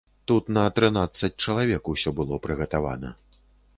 Тут на трынаццаць чалавек усё было прыгатавана.